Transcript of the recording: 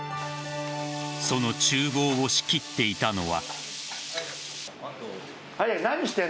その厨房を仕切っていたのは。